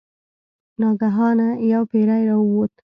ناګهانه یو پیری راووت.